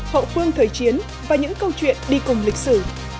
hậu phương thời chiến và những câu chuyện đi cùng lịch sử